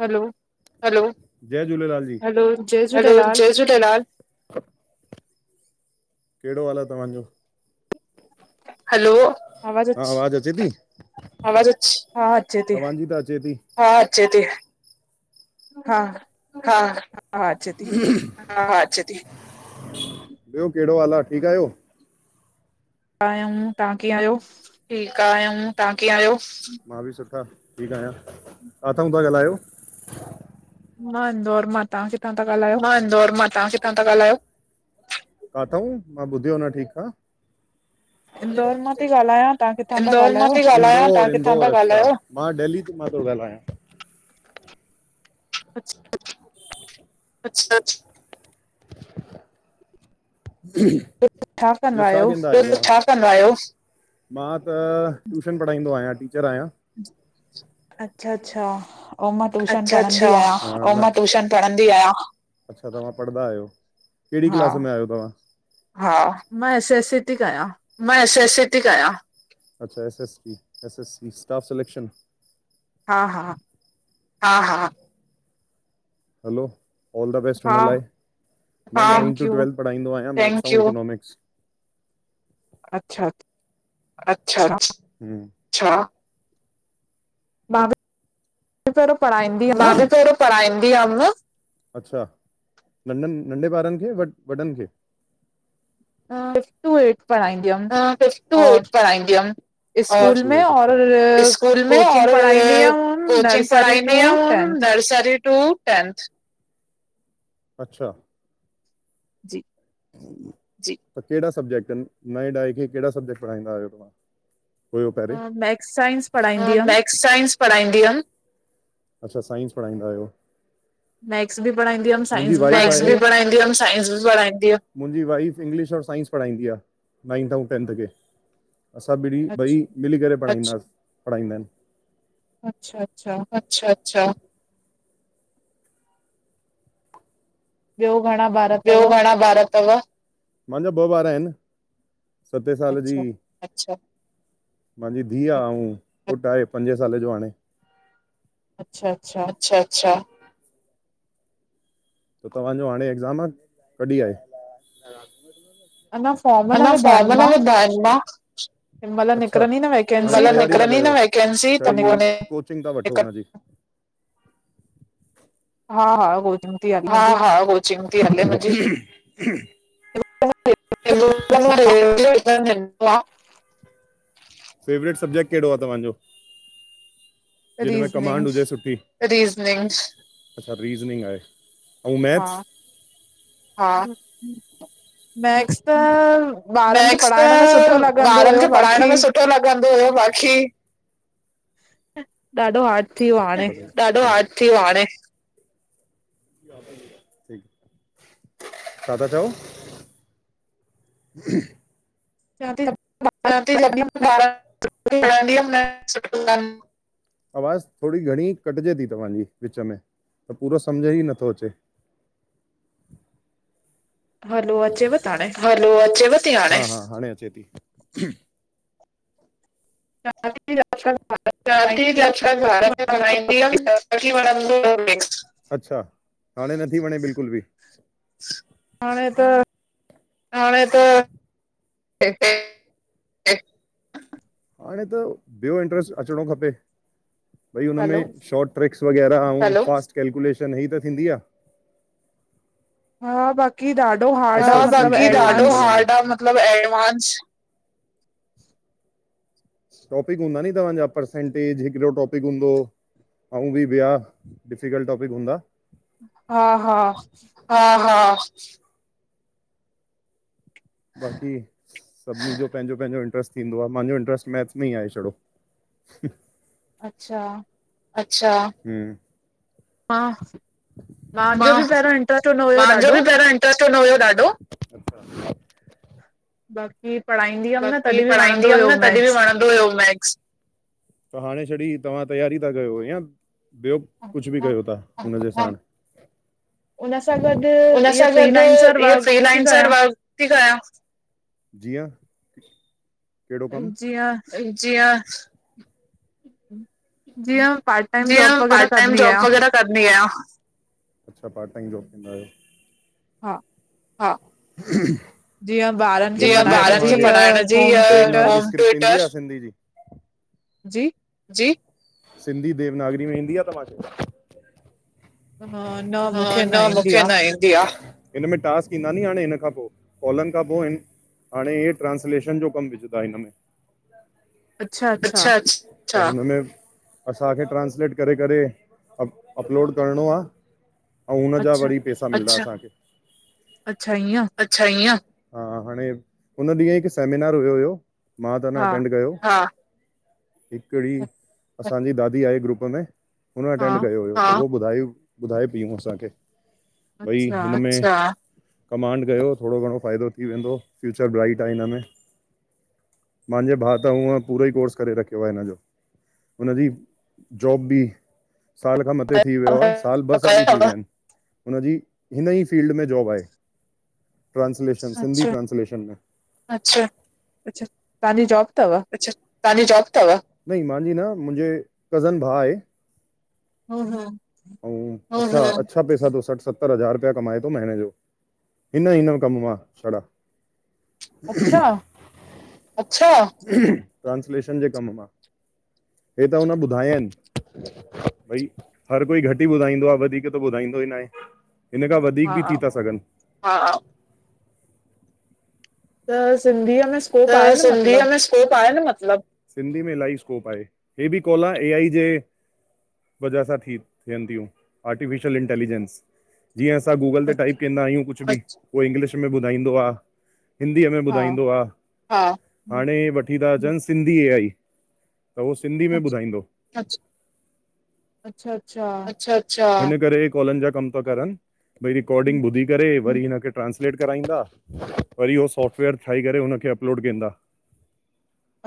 हलो, hello, जय Jhulelal ji, hello जय hello, Jhulelal जय झूलेलाल कहिड़ो हाल आ तव्हांजो? हलो, हा आवाज़ अचे थी? आवाज़ अचे, अचे थी हा तव्हांजी त अचे ती हा अचे ती। हा हा, हा अचे थी हु, हु हा, हा च ॿियो कहिड़ो हालु आ? ठीकु आहियो? आहियूं, तव्हां कीअं आहियो? ठीक आयूं, तव्हां कीअं आहियो? मां बि सुठा, ठीक आहियां, काथऊ ता ॻाल्हायो? मां इंदौर मां तां किथां? था ॻाल्हायो? मां इन्दौर मां, तव्हां किथां ता ॻाल्हयो? काथाऊ मां ॿुधियो न ठीक सां। इंदौर मां थी ॻाल्हायां तव्हां किथां था इंदौर मां ॻाल्हायो? थी ॻाल्हायां किथां ता ॻाल्हायो? मां डेल्ही मां थो ॻाल्हायां। अच्छा अच्छा अच्छा ॿियो छा कंदा आयो? ॿियो छा छा कंदा आहियो? मां त ट्यूशन पढ़ाईंदो आहियां, टीचर आहियां। अच्छा अच्छा ऐं मां ट्यूशन अच्छा अच्छा, पढ़ंदी आहियां अउ मां ट्यूशन पणंदी आया। अच्छा तवां पणंदा आहियो? कहिड़ी हा क्लास में आयो तव्हां? हा मां एस एस सी थी कयां। मां, एस एस सी ती कयां। अच्छा, S S C. S S C, staff selection हा हा हा, हा हलो, ऑल द बैेस्ट हा हुन लाइ। हा, tenth thank you to twelfth पढ़ाईंदो आहियां मां, इकोनॉमिक्स अच्छा अच्छा अच्छा, हूं, छा? मां बि [unintelligible] मूंखे त एहड़ो पढ़ाईंदी हुयम। अच्छा नढनि, नंढे ॿारनि खे वॾनि खे? सिफ्थ टू एट्थ प़ढाईंदी हा फिफ्थ टू एट्थ पढाईंदी हुयमि। स्कूल आशू में एक और अच्छा, स्कूल में कोचिंग और कोचिंग नर्सरी टू पढ़ाईंदी हुयमि। Nursery to tenth. अच्छा जी जी, त कहिड़ा सब्जेक्ट आहिनि? नवे ॾहे खे केहिड़ा सब्जेक्ट पढ़ाईंदा आहियो तव्हां हुयो पहिरें? मैक्स साइंस हा पढ़ाईंदी हुअमि मेथ साइंस पढाईंदी हुयमि। अच्छा, साइंस पढाईंदा आहियो। मैथ्स भी पढ़ाईंदी हुयमि ऐं मुंहिंजी साइंस बि वाइफ मैथ्स पढ़ाईंदी आहे बि हुयमि। हुयमि साइंस बि प़ढाईंदी हुयमि। मुंहिंजी वाइफ इंग्लिश और साइंस पढ़ाईंदी आहे। नाइंथ ऐं टेंथ खे। असां ॿिनी ॿई मिली करे पढ़ाईंदासीं, पढ़ाईंदा आहिनि। अच्छा, अच्छा अच्छा, अच्छा ॿियो घणा ॿारि अथव? मुंहिंजा ॿ ॿार आहिनि। सते साले जी अच्छा, मुंहिंजी धीउ आहे ऐं पुटु आहे पंजे साले जो हाणे। अच्छा, अच्छा अच्छा अच्छा, त तव्हांजो हाणे एग्ज़ाम आहे। कॾहिं आहे? अञा फॉर्म न अञा विधा आहिनि फॉर्म न विधा आहिन मां। हिन महिल अच्छा, निकिरंदी न हिन महिल वैकेंसी त पोइ निकिरंदी न वेकैंसी त पोइ इकट्ठो, कोचिंग ता वठो हाली। हा हा होज मां। हा हा कोचिंग थी हले मुहिंज़ी। [unintelligible] फेवरेट सब्जेक्ट कहिड़ो आहे तव्हांजो? जिन में रीज़निंग कमांड हुजे सुठी। रीज़निंग, अच्छा रीज़निंग आहे। ऐं हा मैथ्स? हा [inaudible] मैथ्स त ॿारनि खे मैक्स त पढ़ाइण में सुठो लॻंदो ॿारनि हुयो। खे पढ़ाइण बाक़ी में सुठो लॻंदो हुयो बाक़ी ॾाढो हार्ड थी वियो आहे हाणे। ॾाढो हार्ड थी वियो आहे हाणे। ठीक छा ता चओ? [inaudible] जाथे [unintelligible] [unintelligible] आवाज़ थोरी घणी कटिजे थी तव्हांजी, विच में त पूरो सम्झ ही नथो अचे। हैलो अचेव ती हाणे? हा हा, हाणे अचे थी। [unintelligible] [unintelligible] [unintelligible] हाणे नथी वणे बिल्कुलु बि। हाणे त हाणे त [unintelligible] हाणे त ॿियो इंट्रस्ट अचिणो खपे। भई हुन हलो में शॉट ट्रिक्स वग़ैर अनु फास्ट केलक्यूलेट वग़ैरह इय इ त थींदी आ। हा बाकी ॾाढो हा हा बाकी ॾाढो हार्ड आ, मतलब एडवांस [inaudible] टॉपिक हूंदा नी तव्हांजा, पर्सेंटेज हिकिड़ो टॉपिक हूंदो हो। अउं बि ॿया डिफिकल्ट टॉपिक हूंदा? हा हा। हा हा। बाक़ी सभिनि जो पंहिंजो पंहिंजो इंट्र्स्ट थींदो आहे, मांहिंजो इंट्र्रेस्ट मैथ्स में ई आहे छड़ो। अच्छा। हम्म। हा मंहांजो बि पहिरियों इंट्र्रेस्ट हुदो हुयो ॾाढो। ट्रस्ट हुदो हुयो ॾाढो। बाक़ी पढ़ाईंदी हुयमि न, बाक़ी तॾहिं बि वणंदो पढ़ाईंदी हुअमि हुयो न तॾहिं बि मैथ्स। त वणंदो हाणे छॾी तव्हां तैयारी था कयो, इंय? ॿियो कुझु बि कयो था हुनजे साथ? उन सां गॾु हुन इअ सां गॾु फ्रीलाइन इह थी फ्रीलाइंसर कयां जिंअ, केड़ो कमु? जीअं जीअं जीअं, पार्ट टाइम जॉब जीअं वग़ैरह पार्ट टाइम कदी जॉब आहियां। वग़ैरह अच्छा पार्ट टाइम जॉब कंदा आहयो। हा। हा [unintelligible] जीअं ॿारनि खे जीअं पढ़ाइण ॿारनि जी खे या पढ़ाइण जी, होम ट्यूटर अ होम ट्यूटर। जी? सिंधी देवनागरी में ईंदी आ तव्हांखे? न हा, मूंखे न ईंदी मूंखे आ न इं हिनमें टास्क ईंदा नी हाणे हिन खां पो, कॉलनि खां पो हाणे हे ट्रांसलेशन जो कम विझंदा हिन में। अच्छा अच्छा अच्छा! असांखे ट्रांसलेट करे करे अप अपलोड करणो आ। ऐं हुन जा वरी पैसा मिला असांखे। अच्छा ईअं अच्छा इअं हाणे हुन ॾींहुं हिकु सेमिनार हुयो हुयो। मां त हा न अटेंड कयो। कहिड़ी असांजी दादी आहे ग्रुप में हुन हा अटेंड कयो हुयो। ॿ ॿुधाए पियूं असांखे भई अच्छा हिन में भॻवान कयो थोड़ो घणो फ़ाइदो थी वेंदो फ्यूचर ब्राइट आहे हिन में मुंहिंजे भाउ त हूअं पूरो ई कोर्स करे रखियो आहे हिनजो। हुनजी जॉब बि साल खां मथे थी वियो आहे साल ब कयो तव [unintelligible] सिंधी अच्छा ट्रांसलेशन में अच्छा अच्छा तव्हांजी जॉब अथव तव्हां जु जॉब अथव मुंहिंज न मुंहिंजे कज़न भाउ आहे, हम हू ऐं [unintelligible] पैसा थो सठ सतरि हज़ार रुपया कमाए थो महीने जो हिन हिन कम मा छडा्। अच्छा अच्छा ट्रांसलेशन जे कम मां हे त हुन ॿुधाया आहिनि। भई हर कोई घटि ई ॿुधाईंदो आहे वधीक त ॿुधाईंदो ई न आहे। हिन खां वधीक बि थी था सघनि। त सिंधीअ में स्कोप आहे त न सिंधी मत में सिंधी में स्कोप आहे न मतलब‌ ए आई वजह सां थी थियनि थियूं आर्टिफिशल इंटेलिजेंस जीअं असां गूगल ते टाइप कंदा आहियूं कुझु बि उहो इंग्लिश में ॿुधाईंदो आहे। हिंदीअ में ॿुधाईंदो आहे हाणे वठी था अचनि सिंधी ए आई त उहो सिंधी में ॿुधाईंदो। अछ अच्छा अच्छा अच्छा अच्छा हिन करे कॉलनि जा कम था करनि भई रिकॉर्डिंग ॿुधी करे, वरी हिनखे ट्रांसलेट कराईंदा। वरी उहो सॉफ्टवेयर ठाहे करे हुनखे अपलोड कंदा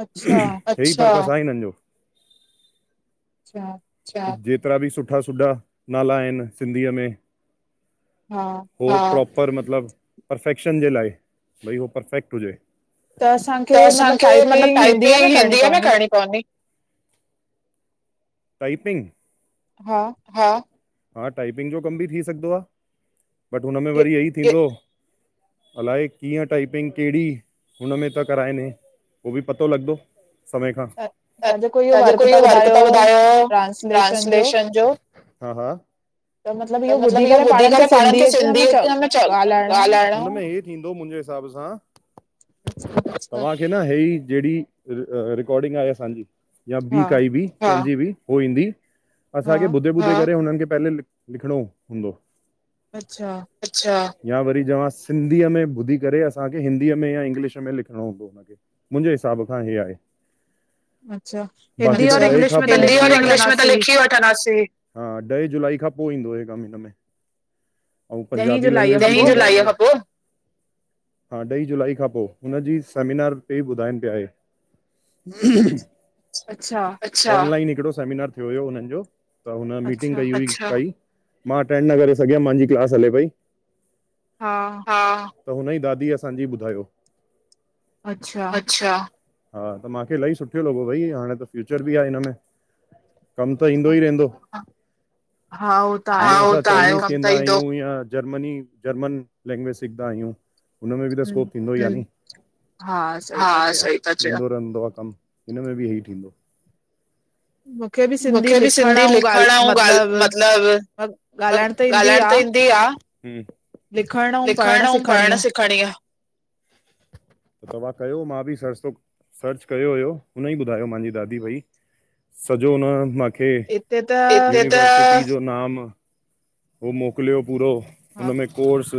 अच्छा हे हिननि जो अच्छा जेतिरा बि सु्ठा् सुठा् नाला आहिनि सिंधीअ में। हा उहो प्रोपर मतिलबु परफेक्शन जे लाइ भई उहो परफेक्ट हुजे त त असांखे मतिलबु असांखे मतलबु टाइपिंग हिंदीअ में टाइपिंग हिंदीअ में करणी पवंदी। टाइपिंग? हा हा हा टाइपिंग जो कम बि थी सघंदो आहे। बट हुनमें वरी इह ई थींदो? अलाए कीअं टाइपिंग कहिड़ी हुनमें त कराइनि उ बि पतो लॻंदो जेको वर्क त ॿुधायो ट्रांसलेशन जो हा हा त मतलबु इहो ॿुधी करे पाणु खे सिंधी में चव, ॻाल्हाइणो थींदो मुंहिंजे हिसाबु सां अच्छा तव्हांखे न हेड़ी जेहिड़ी रिकॉर्डिंग आहे असांजी, या ॿी हा काई बि कैन्जी बि, हो ईंदी हा हियं ॿुधे ॿुधे करे हुननि खे पहले लिख, लिखणो हूंदो? अच्छा? अच्छा, या वरी तव्हां सिंधीअ में ॿुधी करे, असांखे हिंदीअ में या इंग्लिश में लिखणो हूंदो? मुंहिंजे हिसाबु खां हे आहे। अच्छा [unintelligible] हिंदी और इंग्लिश में त लिखी वठनि हा, ॾह जुलाई खां पोइ ईंदो इ कमु हिन में। ऐं ॾहीं पंजाबी जुलाईअ लैंगवेज, खां ॾही पोइ जुलाई खां पोई? हा, ॾहीं जुलाई खां पोइ, हुनजी सेमिनार ते ई ॿुधाइनि पिया हे। हम [unintelligible] अच्छा? ऑनलाइन हिकिड़ो सेमिनार थियो हुयो हुननि जो, त हुन मीटिंग कई हुई। कई, मां अटेंड न करे सघियुमि, माहिंजी क्लास हले पई। हा त हुनजी ॾाॾी असांजी ॿुधायो। अच्छा हा, त माखे इलाही सुठो लॻो भई, हाणे त फ्यूचर बि आहे हिन में, कम त ईदो ई रहंदो, हा उहो त आहे हा कम उहो त आहे कम [unintelligible] जर्मनी जर्मन लैंगवेज सिखंदा आहियूं हुनमे भी त स्कोप थिंदो ही आ न, हा सही था हाॅ चयो सही ईन्दो रहंदो आ कमु, हिन में बि इहे ई थींदो। मूंखे बि सिंधी मूंखे बि लिखण ऐं सिंधी लिखणु अऊं ॻाल्हि मतिलबु मतिलबु ॻाल्हाइण त ॻाल्हाइण त आहे ईंदी आ, लिखण ऐं लिखणु सिख अऊं पढ़ण सिख खड़िंया। तव्हां कयो, मां बि सर् सर्च कयो हुयो, हुन ई ॿुधायो माहिंजी दादी भई सॼो हुन मांखे, हिते त यूनिवर्सिटी जो नाम हो मोकिलियो पूरो, हुन में कोर्स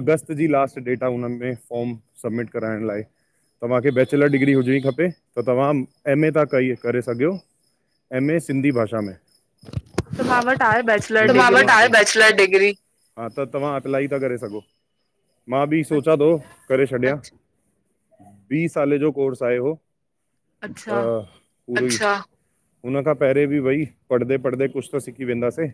अगस्त जी लास्ट डेट आ, हुन में फॉर्म सब्मिट कराइण लाइ। तव्हांखे बैचलर डिग्री हुजणी खपे, त तव्हां एमए था कई करे सघियो। एम ए सिंधी भाषा में। त मां वटि आहे त बैचलर मां वटि डिग्री बैचलर डीग्री, हा त तव्हां अप्लांए ता करे सघो, मां बि सोचा तो करे छॾिया, ॿी सालें जो कोर्स आहे उहो, अच्छा त अच्छा! हुन खां पहिरे बि भई, पढ़दे पढ़दे कुछ त सिखी वेंदासें।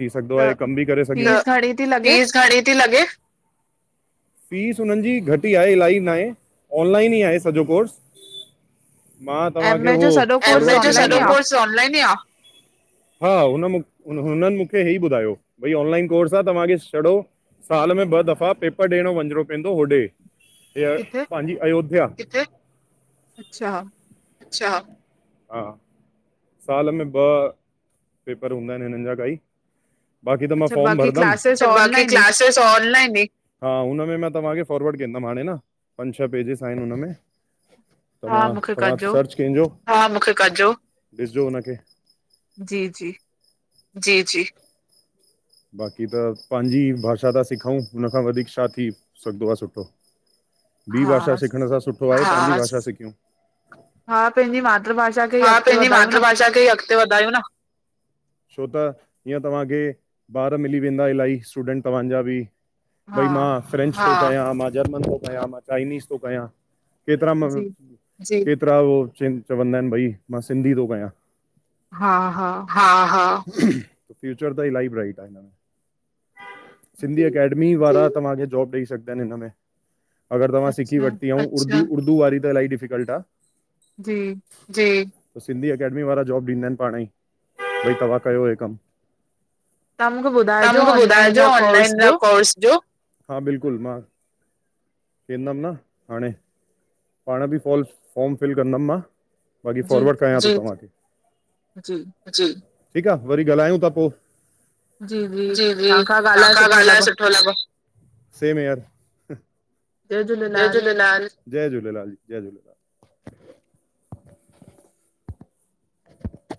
थी सिघदो आ त हे कमु भी करे सघे, फीस त घणी थी लॻे? फीस घणी ती लॻे? [inaudible] फीस उन्हनि जी घटि ई आहे, इलाही नाहे, ऑनलाइन ई आहे सॼो कोर्स। मां एम तव्हांखे ए जो सॼो उहो--एम कोर्स ऐ जो ऑनलाइन ई सॼो आ कोर्स त ऑनलाइन ही आ, हा हुन मुखे हुनन हे ई ॿुधायो, भई ऑनलाइन कोर्स आ, तव्हांखे छॾो साल में ॿ दफ़ा पेपर ॾियणो वञिणो पवंदो होॾे। हे किथे? पाहिंजी अयोध्या, किथे अच्छा अच्छा, हा। साल में ॿ पेपर हूंदा आहिन हिनन जा काई बाकि त मां फॉर्म भरंदम, क्लासिस अच्छा बाकि ऑनलाइन ई क्लास क्लासएस ऑनलाइन ही, हा हुनमे मां तव्हांखे फॉर्वड कंदम हाणे न पंज छह पेजिस आहिन हुनमें। [inaudible] त मूंखे तव्हां कजो सर्च कजो, हा मुखे कजो, ॾिसजो हुनखे जी-जी जी-जी। बाक़ी त पांजि भाषा था सिखउ, हुन खां वधीक छा थी सघंदो आ सुठो। ॿी हा भाषा सिखण सां सुठो आ पांजी भाषा सिखियूं। हा पंहिंजी मातृभाषा खे ई हा अॻिते पंहिंजी मातृभाषा खे ई अॻते वधायो न। छो त हीअं तव्हांखे ॿार मिली वेंदा इलाही स्टूडेंट तव्हांजा बि वधायो हा भई मां फ्रेंच थो कया, मां जर्मन थो कया, मां चाइनीज़ थो कया केतरा म केतरा उ चवंदा आहिन, भई मां सिंधी थो कयां। हा-हा हा, हा, फ्यूचर ताइ इलाही ब्राइट, सिन्धी जी एकेडमी मी वारा तव्हांखे जॉब ॾेई सघंदा आहिन हिन में, अगर तव्हां सिखी वठिती उर्दू वारी त इलाही डिफिकल्ट आ। जी जी, सिंधी अकेडमी वारा जॉब ॾींदा आहिन पाण ई तव्हां कयो हे कम तव्हां मूंखे तव्हां ॿुधाइजो मुखे ऑनलाइन ॿुधाइजो कोर्स ऑनलाइन ज कोर्स जो हा, बिल्कुल मां वेंदम न हाणे पाण बि फॉल फॉम फिल कंदम मां बाक़ी जी फॉरवड करयास थो तव्हांखे। जी जी, ठीक आ वरी ॻाल्हायूं था पो जी-जी तव्हां खां ॻाल्हाए सुठो लॻो, सेम हियर जय झूलेलाल! जय झूलेलाल! जय झूलेलाल।